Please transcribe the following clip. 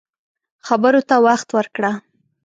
خبرو ته وخت ورکړه